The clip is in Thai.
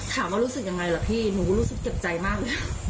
รู้สึกยังไงล่ะพี่หนูรู้สึกเจ็บใจมากเลย